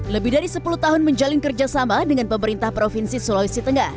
lebih dari sepuluh tahun menjalin kerjasama dengan pemerintah provinsi sulawesi tengah